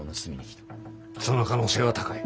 その可能性は高い。